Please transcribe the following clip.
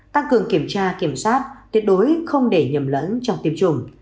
tăng cường kiểm tra kiểm soát tuyệt đối không để nhầm lẫn trong tiêm chủng